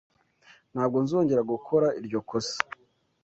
Ntabwo nzongera gukora iryo kosa.